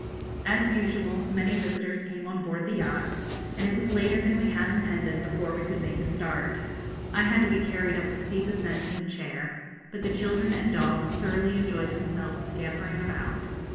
As usual many visitors came on board the yacht, and it was later than we had intended before we could make a start. I had to be carried up the steep ascent in a chair, but the children and dogs thoroughly enjoyed themselves scampering about.